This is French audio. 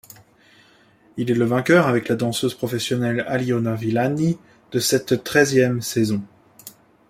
Il est le vainqueur avec la danseuse professionnelle Aliona Vilani, de cette treizième saison.